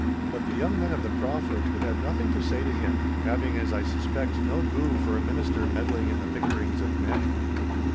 But the young men of the Craufords would have nothing to say to him, having, as I suspect, no goo for a Minister meddling in the bickerings of men.